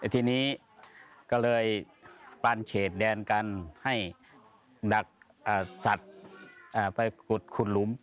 ทีนี้ก็เลยปั้นเฉดแดนกันให้ดักสัตว์ไปขุดหลุม